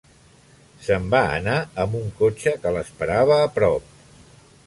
Se'n va anar amb un cotxe que l'esperava a prop.